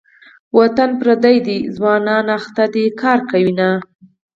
وطن پردی ده ځوانان لګیا دې کار کوینه.